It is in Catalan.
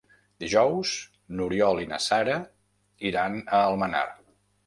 Dijous n'Oriol i na Sara iran a Almenar.